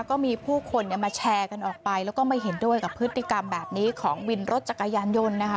ก็มีผู้คนมาแชร์กันออกไปแล้วก็ไม่เห็นด้วยกับพฤติกรรมแบบนี้ของวินรถจักรยานยนต์นะคะ